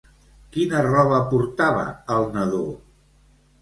Quina roba portava el nadó?